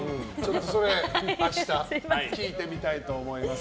それを明日聞いてみたいと思います。